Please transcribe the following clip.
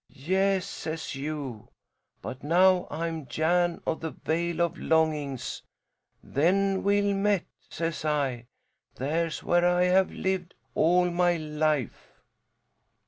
'Yes,' says you, 'but now I'm Jan of the Vale of Longings.' 'Then, well met,' says I. 'There's where I have lived all my life.'"